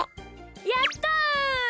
やった！